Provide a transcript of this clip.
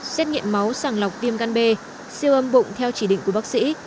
xét nghiệm máu sàng lọc viêm gan b siêu âm bụng theo chỉ định của bác sĩ